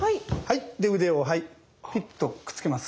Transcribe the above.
腕をピッとくっつけます。